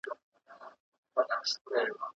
سم نیت باور نه دروي.